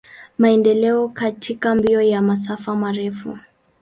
Maendeleo katika mbio ya masafa marefu.